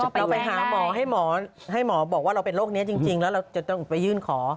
เราไปหาหมอให้หมอให้หมอบอกว่าเราเป็นโรคนี้จริงแล้วเราจะต้องไปยื่นขอ